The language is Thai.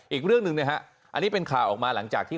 อีกเรื่องหนึ่งนะฮะอันนี้เป็นข่าวออกมาหลังจากที่